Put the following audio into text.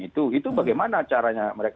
itu itu bagaimana caranya mereka